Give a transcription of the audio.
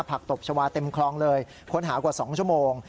ตบชาวาเต็มคลองเลยค้นหากว่า๒ชั่วโมง